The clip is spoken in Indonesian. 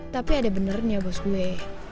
tapi ada beneran ya bos gue